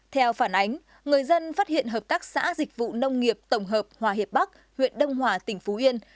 theo phản ánh người dân phát hiện hợp tác xã dịch vụ nông nghiệp tổng hợp hòa hiệp bắc huyện đông hòa tỉnh phú yên